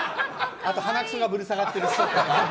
鼻くそがぶら下がってる師匠とか。